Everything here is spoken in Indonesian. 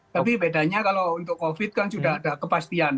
tapi bedanya kalau untuk covid kan sudah ada kepastian